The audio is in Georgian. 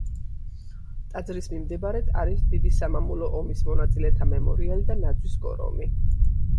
ტაძრის მიმდებარედ არის დიდი სამამულო ომის მონაწილეთა მემორიალი და ნაძვის კორომი.